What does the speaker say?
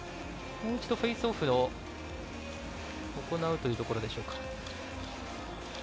もう一度フェイスオフを行うというところでしょうか。